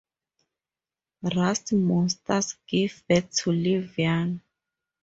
Rust monsters give birth to live young.